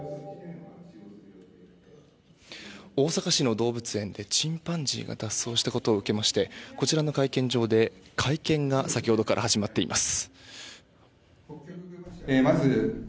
大阪市の動物園でチンパンジーが脱走したことを受けましてこちらの会見場で、会見が先ほどから始まっています。